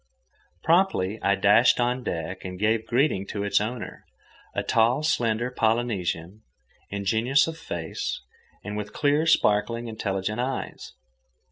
Promptly I dashed on deck and gave greeting to its owner, a tall, slender Polynesian, ingenuous of face, and with clear, sparkling, intelligent eyes.